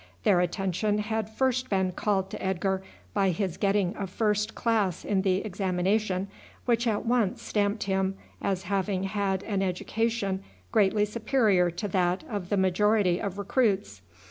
Their attention had first been called to Edgar by his getting a first class in the examination, which at once stamped him as having had an education greatly superior to that of the majority of recruits.